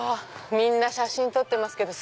みんな写真撮ってますけど。